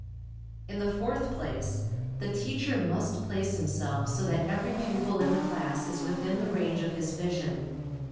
In the fourth place, the teacher must place himself so that every pupil in the class is within the range of his vision.